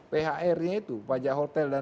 phr nya itu pajak hotel dan